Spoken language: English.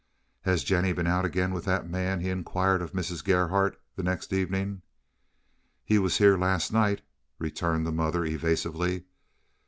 "Has Jennie been out again with that man?" he inquired of Mrs. Gerhardt the next evening. "He was here last night," returned the mother, evasively.